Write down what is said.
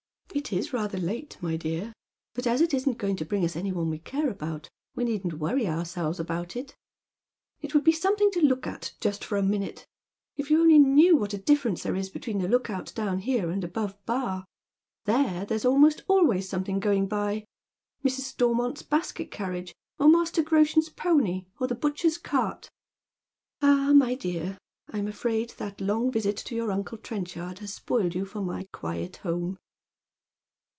It is rather late, my dear. But as it isn't going to bring us any one we care about, we needn't worry ourselves about it." " It would be sometliing to look at just for a minute. If you only knew what a difference there is between the look out down here and above Bar. There there's almost always something going by — Mrs. Stormont's basket carriage, or Master Groshen's pony, or the butcher's cart." " Ah, my dear, I'm afraid that long visit to your uncle Tren chard has spoiled you for my quiet home."